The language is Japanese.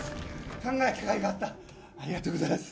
考えたかいがあったありがとうございます。